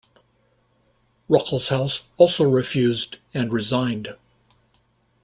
Ruckelshaus also refused and resigned.